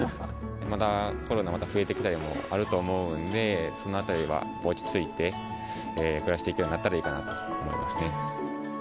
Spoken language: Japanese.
まだコロナが増えてきたりもあると思うので、そのあたりは落ち着いて、暮らしていけるようになったらいいかなと思いますね。